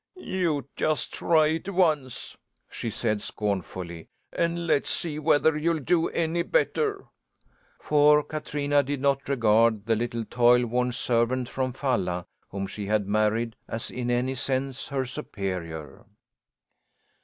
"You just try it once!" she said scornfully, "and let's see whether you'll do any better." For Katrina did not regard the little toil worn servant from Falla whom she had married as in any sense her superior.